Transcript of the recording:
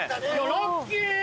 ラッキー！